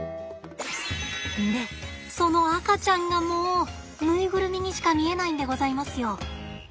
でその赤ちゃんがもうぬいぐるみにしか見えないんでございますよ。